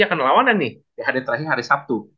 akan lawanan nih di hari terakhir hari sabtu